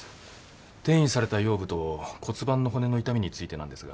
転移された腰部と骨盤の骨の痛みについてなんですが。